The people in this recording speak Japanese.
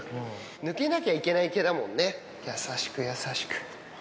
抜けなきゃいけない毛だもんね、優しく、優しく。